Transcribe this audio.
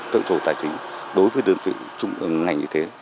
tự chủ tài chính đối với đơn vị ngành như thế